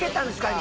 今。